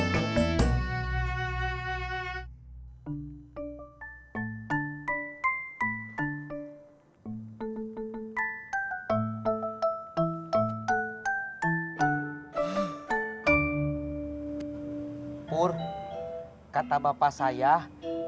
gak baik menghunguskan napas seperti itu